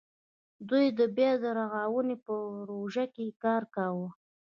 دوی د بیا رغاونې په پروژه کې کار کاوه.